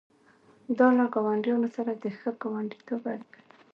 دا له ګاونډیانو سره د ښه ګاونډیتوب اړیکه ده.